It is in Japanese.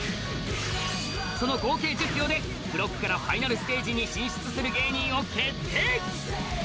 その合計１０票で各ブロックからファイナルステージに進出する芸人を決定。